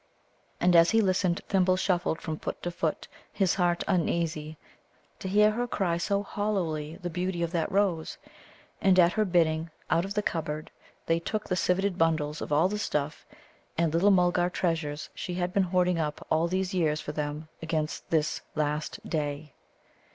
And as he listened Thimble shuffled from foot to foot, his heart uneasy, to hear her cry so hollowly the beauty of that Rose. And at her bidding, out of the cupboard they took the civeted bundles of all the stuff and little Mulgar treasures she had been hoarding up all these years for them against this last day.